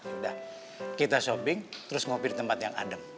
udah kita shopping terus ngopi di tempat yang adem